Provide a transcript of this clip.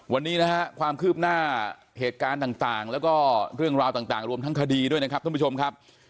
วันนี้นะฮะความคืบหน้าเหตุการณ์ต่างแล้วก็เรื่องราวต่างรวมทั้งคดีด้วยนะครับท่านผู้ชมครับ